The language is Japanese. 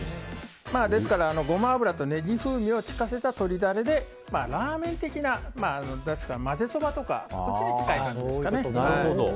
ですからゴマ油とネギ風味を利かせた鶏だれでラーメン的な混ぜそばとかそっちに近い感じですかね。